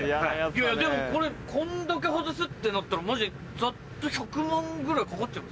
いやでもこれこんだけ外すってなったらマジでざっと１００万ぐらいかかっちゃいますよ。